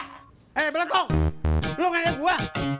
hei beletong lo kan yang gua